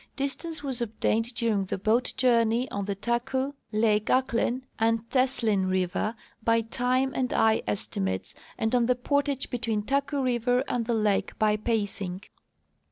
Distance was obtained during the boat journey on the Taku, lake Ahklen, and Teslin river by time and eye estimates, and on the portage between Taku river and the lake by pacing.